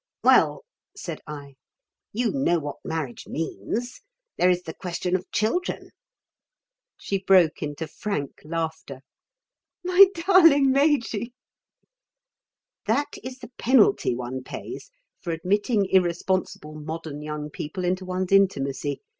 "Well " said I. "You know what marriage means. There is the question of children." She broke into frank laughter. "My darling Majy " That is the penalty one pays for admitting irresponsible modern young people into one's intimacy.